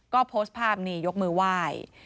ก็โพสต์ภาพนียกมือว่าย